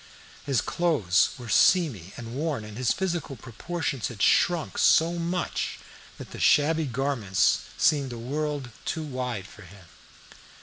His clothes were seamy and worn, and his physical proportions had shrunk so much that the shabby garments seemed a world too wide for him.